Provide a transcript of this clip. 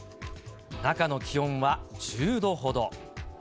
中の気温は１０度ほど。